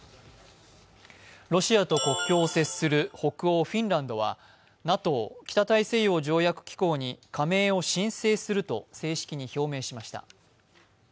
ロシアと国境を接する北欧フィンランドはＮＡＴＯ＝北大西洋条約機構に加盟を申請すると正式に表明しました。